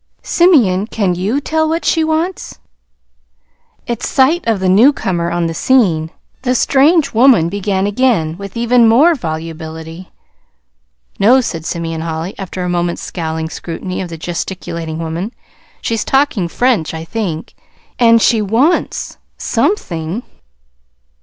"Simeon, can you tell what she wants?" At sight of the newcomer on the scene, the strange woman began again, with even more volubility. "No," said Simeon Holly, after a moment's scowling scrutiny of the gesticulating woman. "She's talking French, I think. And she wants something."